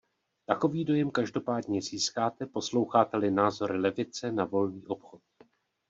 Takový dojem každopádně získáte, posloucháte-li názory levice na volný obchod.